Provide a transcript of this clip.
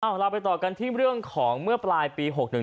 มาเราไปต่อกันที่เรื่องของเมื่อปลายปีหกหนึ่ง